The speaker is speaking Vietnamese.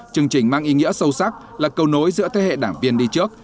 chương trình mang ý nghĩa sâu sắc là câu nối giữa thế hệ đảng viên đi trước